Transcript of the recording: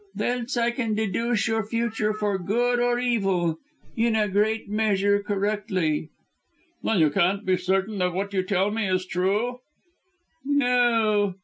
Thence I can deduce your future for good or evil, in a great measure correctly." "Then you can't be certain that what you tell me is true?" "No.